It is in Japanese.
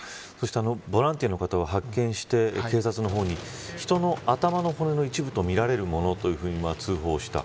ボランティアの方は発見して警察の方に人の頭の骨の一部とみられるものと通報した。